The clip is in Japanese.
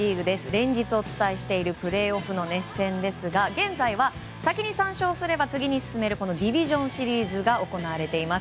連日お伝えしているプレーオフの熱戦ですが現在は、先に３勝すれば次に進めるディビジョンシリーズが行われています。